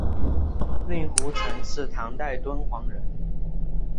令狐澄是唐代敦煌人。